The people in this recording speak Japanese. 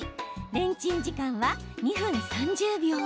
レンチン時間は２分３０秒。